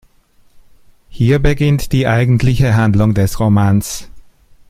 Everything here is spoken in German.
Hier beginnt die eigentliche Handlung des Romans.